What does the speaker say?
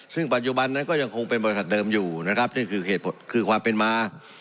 ซึ่งปัจจุบันนั้นก็ยังคงเป็นบริษัทเดิมอยู่นะครับนี่คือเหตุผลคือความเป็นมา